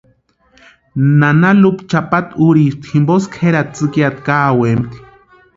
Nana Lupa chʼapata úrispti jimposï kʼerati tsïkiata kaawempti.